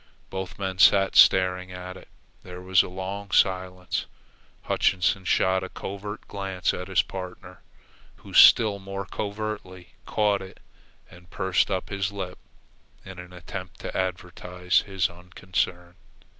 Both men sat staring at it. There was a long silence. Hutchinson shot a covert glance at his partner, who, still more covertly, caught it, and pursed up his lips in an attempt to advertise his unconcern.